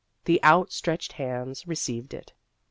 The out stretched hands received it.